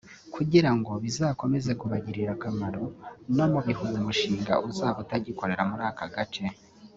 kugira ngo bizakomeze kubagirira akamaro no mu bihe uyu mushinga uzaba utagikorera muri aka gace